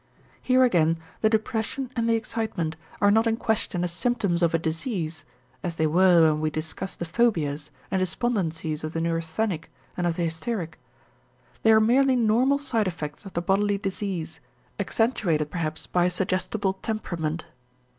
Here again the depression and the excitement are not in question as symptoms of a disease, as they were when we discussed the phobias and despondencies of the neurasthenic and of the hysteric. They are merely normal side effects of the bodily disease, accentuated perhaps by a suggestible temperament.